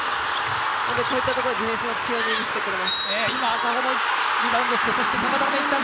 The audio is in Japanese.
こういったところでディフェンスの強みを見せてくれます。